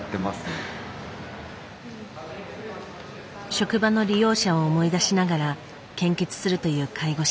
職場の利用者を思い出しながら献血するという介護士。